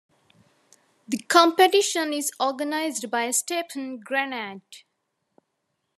The competition is organized by "Stephen Granade".